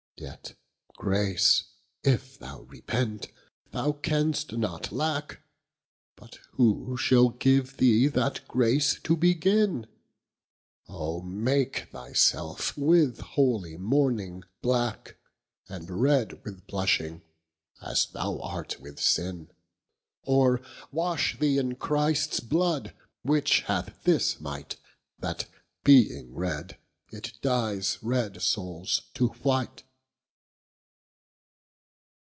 Yet grace, if thou repent, thou canst not lacke; But who shall give thee that grace to beginne? Oh make thy selfe with holy mourning blacke, And red with blushing, as thou art with sinne; Or wash thee in Christs blood, which hath this might That being red, it dyes red soules to white.